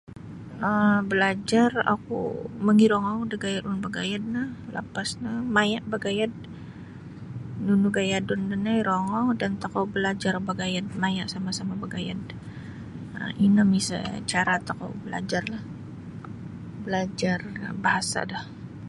um balajar oku mangirongou da gaya' ulun bagayad no lapas no maya' bagayad nunu gayadun do no irongou dan tokou balajar bagayad maya' sama'-sama' bagayad um ino miso cara tokou balajarlah balajar bahasa do.